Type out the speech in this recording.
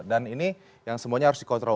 dan ini yang semuanya harus dikontrol